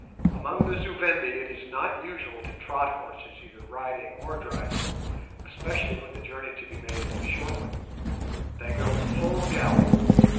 Among the Zu Vendi it is not usual to trot horses either riding or driving, especially when the journey to be made is a short one—they go at full gallop.